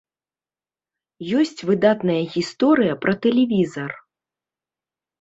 Ёсць выдатная гісторыя пра тэлевізар.